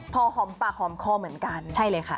พอหอมปากหอมคอเหมือนกันใช่เลยค่ะ